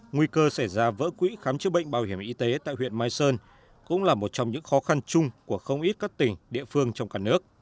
nguy cơ xảy ra vỡ quỹ khám chữa bệnh bảo hiểm y tế tại huyện mai sơn cũng là một trong những khó khăn chung của không ít các tỉnh địa phương trong cả nước